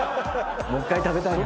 もう１回食べたいなって。